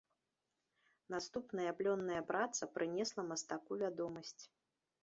Наступная плённая праца прынесла мастаку вядомасць.